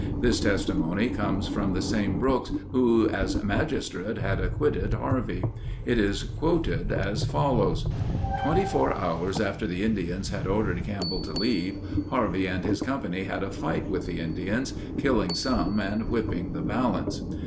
This testimony comes from the same Brooks who as magistrate had acquitted Harvey. It is quoted as follows: Twenty four hours after the Indians had ordered Campbell to leave, Harvey and his company had a fight with the Indians, killing some and whipping the balance.